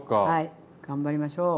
頑張りましょう！